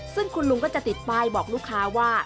ซึ่งคุณลุงก็จะติดป้ายบอกลูกค้าว่า